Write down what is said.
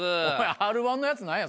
『Ｒ−１』のやつ何や？